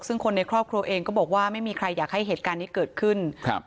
ซึ่งคนในครอบครัวเองก็บอกว่าไม่มีใครอยากให้เหตุการณ์นี้เกิดขึ้นครับ